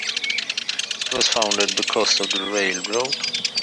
It was founded because of the railroad.